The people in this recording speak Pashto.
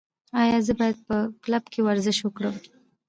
ایا زه باید په کلب کې ورزش وکړم؟